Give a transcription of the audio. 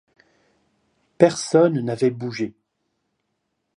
Personne n'avait bougé.